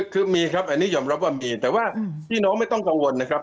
คือมีครับอันนี้ยอมรับว่ามีแต่ว่าพี่น้องไม่ต้องกังวลนะครับ